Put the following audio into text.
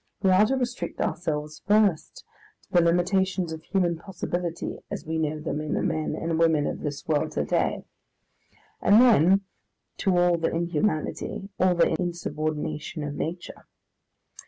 We are to restrict ourselves first to the limitations of human possibility as we know them in the men and women of this world to day, and then to all the inhumanity, all the insubordination of nature.